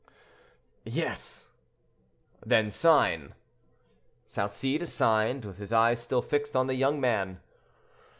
"Yes."—"Then sign." Salcede signed, with his eyes still fixed on the young man.